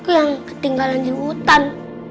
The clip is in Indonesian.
itu yang ketinggalan di hutan